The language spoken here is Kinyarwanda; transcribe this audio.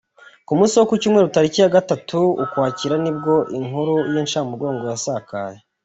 Ku munsi wo ku cyumweru tariki ya gatatu Ukwakira nibwo inkuru y’incamugongo yasakaye.